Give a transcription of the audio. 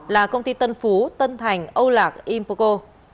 là công ty tân phú tân thành âu lạc impoco